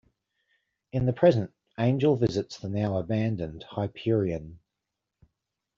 In the present, Angel visits the now-abandoned Hyperion.